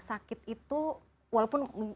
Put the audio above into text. sakit itu walaupun